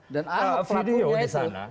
dan ahok pelakunya itu